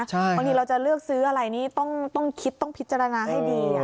บางทีเราจะเลือกซื้ออะไรนี่ต้องคิดต้องพิจารณาให้ดี